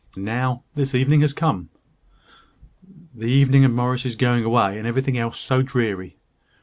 And now this evening has come " "The evening of Morris's going away, and everything else so dreary!